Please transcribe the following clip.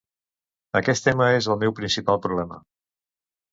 Aquest tema és el meu principal problema.